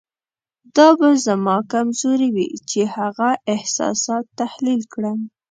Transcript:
دا به زما کمزوري وي چې هغه احساسات تحلیل کړم.